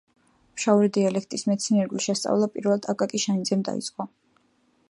ფშაური დიალექტის მეცნიერული შესწავლა პირველად აკაკი შანიძემ დაიწყო.